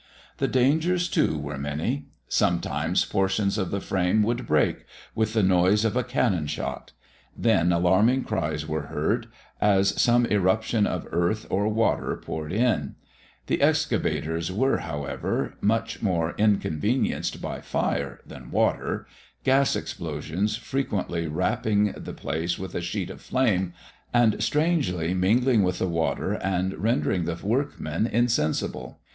The dangers, too, were many: sometimes, portions of the frame would break, with the noise of a cannon shot; then alarming cries were heard, as some irruption of earth or water poured in; the excavators were, however, much more inconvenienced by fire than water gas explosions frequently wrapping the place with a sheet of flame, and strangely mingling with the water, and rendering the workmen insensible.